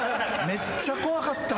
めっちゃ怖かった。